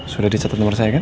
sudah dicatat nomor saya kan